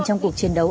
trong cuộc chiến đấu